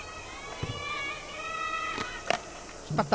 引っ張った。